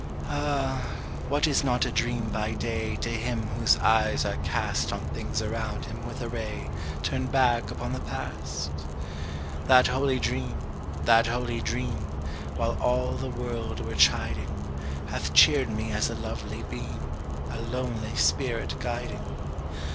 Ah! what is not a dream by day To him whose eyes are cast On things around him with a ray Turned back upon the past? That holy dream that holy dream, While all the world were chiding, Hath cheered me as a lovely beam, A lonely spirit guiding.